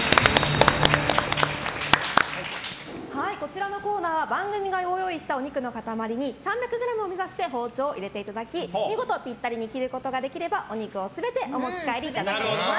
こちらのコーナーは番組がご用意したお肉の塊に３００ｇを目指して包丁を入れていただき見事ピッタリに切ることができればお肉を全てお持ち帰りいただけます。